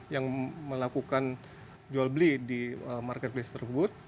yang melakukan jual beli di marketplace tersebut